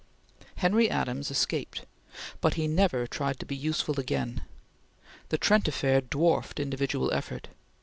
Henry Adams escaped, but he never tried to be useful again. The Trent Affair dwarfed individual effort.